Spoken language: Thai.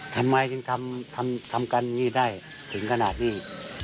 ทำไมจึงทำกันนี่ได้ถึงขนาดนี้